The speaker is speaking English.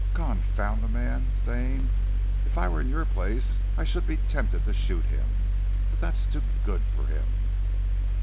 "Confound the man, Stane! If I were in your place I should be tempted to shoot him! But that's too good for him."